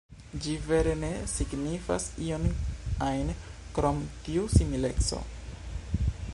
Ĝi vere ne signifas ion ajn krom tiu simileco.